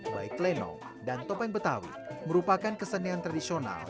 baik lenong dan topeng betawi merupakan kesenian tradisional